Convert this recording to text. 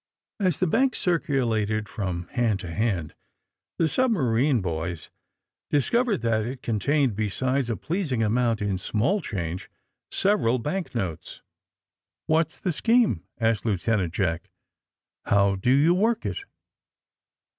As the bank circulated from hand to hand the submarine boys discovered that it contained, be sides a pleasing amount in small change, several bank notes." ^* What's the scheme!" asked Lieutenant Jack. ^^How do you work it!"